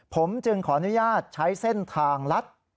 ผมจึงขออนุญาตใช้เส้นทางลัด